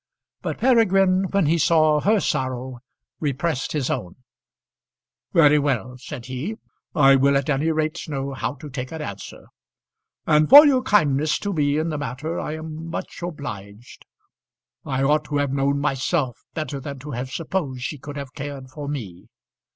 But Peregrine, when he saw her sorrow, repressed his own. "Very well," said he; "I will at any rate know how to take an answer. And for your kindness to me in the matter I am much obliged. I ought to have known myself better than to have supposed she could have cared for me."